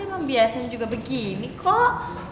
emang biasanya juga begini kok